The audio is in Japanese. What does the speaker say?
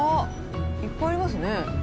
いっぱいありますね。